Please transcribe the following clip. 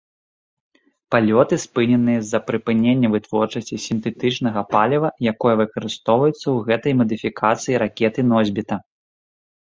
Палёты спыненыя з-за прыпынення вытворчасці сінтэтычнага паліва, якое выкарыстоўваецца ў гэтай мадыфікацыі ракеты-носьбіта.